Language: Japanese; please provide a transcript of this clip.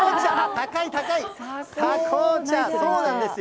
高い高い、狭紅茶、そうなんですよ。